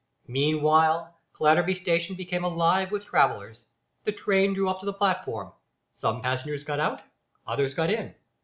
Meanwhile Clatterby station became alive with travellers. The train drew up to the platform. Some passengers got out; others got in.